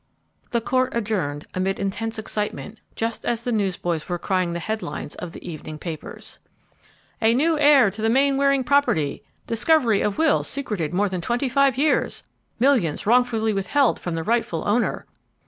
The court adjourned amid intense excitement, just as the newsboys were crying the headlines of the evening papers, "A New Heir to the Mainwaring Property! Discovery of Will secreted more than Twenty five Years! Millions wrongfully withheld from the Rightful Owner!"